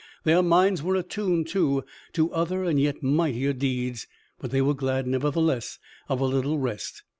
Their minds were attuned, too, to other and yet mightier deeds, but they were glad, nevertheless, of a little rest.